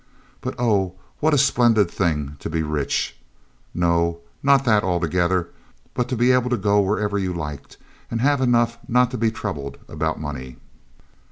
But oh! what a splendid thing to be rich; no, not that altogether, but to be able to go wherever you liked, and have enough not to be troubled about money.'